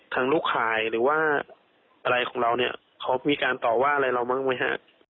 ลูกขายหรือว่าอะไรของเราเนี่ยเขามีการต่อว่าอะไรเราบ้างไหมฮะ